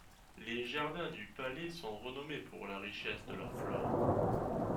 Les jardins du palais sont renommés pour la richesse de leur flore.